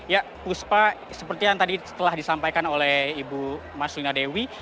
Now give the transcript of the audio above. ya puspa seperti yang tadi telah disampaikan oleh ibu mas lina dewi